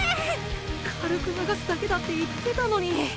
軽く流すだけだって言ってたのに！